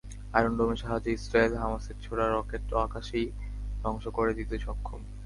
Iron dome সাহায্যে Israel হামাসের ছোড়া রকেট আকাশেই ধ্বংস করে দিতে সক্ষম।